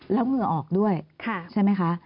แล้วเหงื่อออกด้วยใช่ไหมคะ